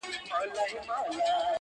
ها ښکلې که هر څومره ما وغواړي ـ